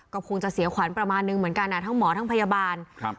ก็คงจะเสียขวัญประมาณนึงเหมือนกันอ่ะทั้งหมอทั้งพยาบาลครับ